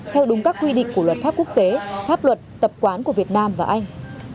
theo đúng các quy định của luật pháp quốc tế pháp luật tập quán của việt nam và anh